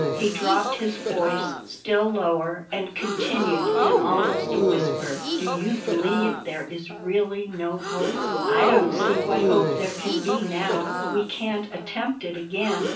He dropped his voice still lower and continued in almost a whisper: "Do you believe there is really no hope?" "I don't see what hope there can be now. We can't attempt it again.